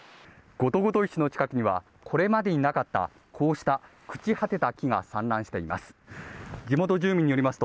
ゴトゴト石の近くにはこれまでになかったこうした朽ち果てた木が散乱しています。